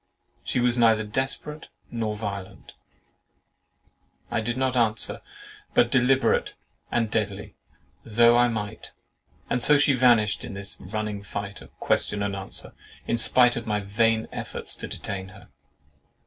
—"She was neither desperate nor violent." I did not answer—"But deliberate and deadly,"—though I might; and so she vanished in this running fight of question and answer, in spite of my vain efforts to detain her.